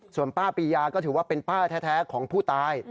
ส่วนป้าปียาก็ถือว่าเป็นป้าแท้ของผู้ตาย